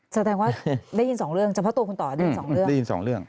แสดงว่าได้ยินสองเรื่อง